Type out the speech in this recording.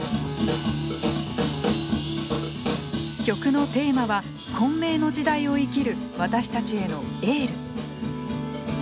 曲のテーマは混迷の時代を生きる私たちへのエール。